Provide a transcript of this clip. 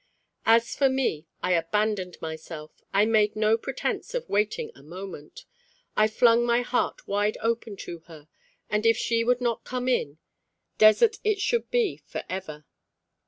As for me, I abandoned myself. I made no pretence of waiting a moment. I flung my heart wide open to her, and if she would not come in, desert it should be for ever.